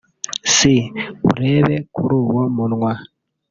C) Urebeye kuri uwo munwa